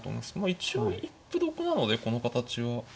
一応一歩得なのでこの形は。